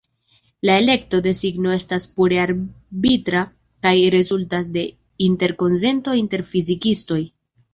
La elekto de signo estas pure arbitra kaj rezultas de interkonsento inter fizikistoj.